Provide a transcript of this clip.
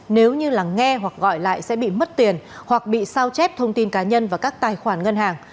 nếu như là nghe hoặc gọi lại sẽ bị mất tiền hoặc bị sao chép thông tin cá nhân và các tài khoản ngân hàng